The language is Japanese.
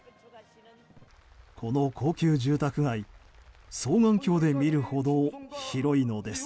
この高級住宅街双眼鏡で見るほど広いのです。